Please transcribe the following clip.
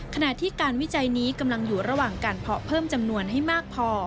ขณะที่การวิจัยนี้กำลังอยู่ระหว่างการเพาะเพิ่มจำนวนให้มากพอ